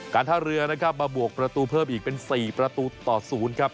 ท่าเรือนะครับมาบวกประตูเพิ่มอีกเป็น๔ประตูต่อ๐ครับ